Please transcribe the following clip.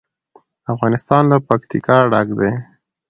افغانستان له پکتیکا ډک دی.